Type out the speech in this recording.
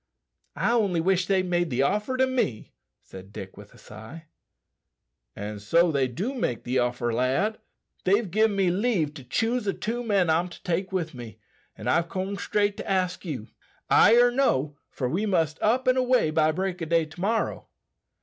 "I only wish they'd made the offer to me," said Dick with a sigh. "An' so they do make the offer, lad. They've gin me leave to choose the two men I'm to take with me, and I've corned straight to ask you. Ay or no, for we must up an' away by break o' day to morrow."